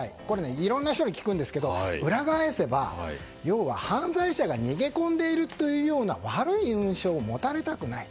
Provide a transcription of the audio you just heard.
いろんな人に聞くんですけど裏返せば要は犯罪者が逃げ込んでいるというような悪い印象を持たれたくないと。